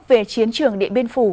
về chiến trường điện biên phủ